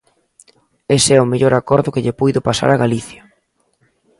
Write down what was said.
Ese é o mellor acordo que lle puido pasar a Galicia.